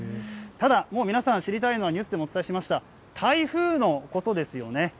ただ、もう皆さん、知りたいのはニュースでもお伝えしました、台風のことですよね。